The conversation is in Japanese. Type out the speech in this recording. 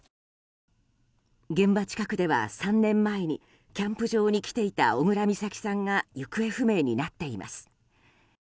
現場近くでは３年前にキャンプ場に来ていた小倉美咲さんが行方不明になっています。